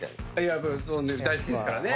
そうね大好きですからね。